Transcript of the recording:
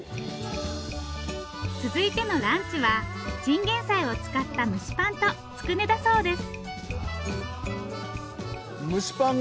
続いてのランチはチンゲンサイを使った蒸しパンとつくねだそうです。